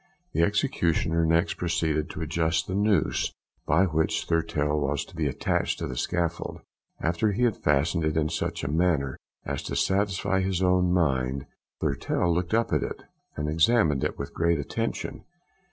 The executioner next proceeded to adjust the noose by which Thurtell was to be attached to the scaffold. After he had fastened it in such a manner as to satisfy his own mind, Thurtell looked up at it, and examined it with great attention.